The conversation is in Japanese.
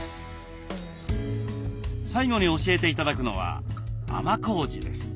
最後に教えて頂くのは甘こうじです。